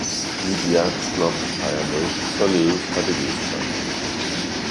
mit Hjertes Blomst har jeg med, saaledes har det løst sig.